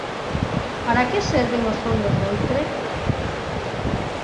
¿Para que serven os fondos voitre?